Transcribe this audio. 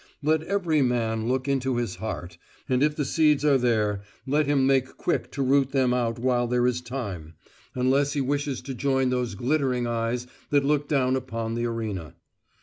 Let every man look into his heart, and if the seeds are there let him make quick to root them out while there is time; unless he wishes to join those glittering eyes that look down upon the arena.